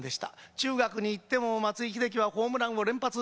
中学にいっても松井はホームランを連発する。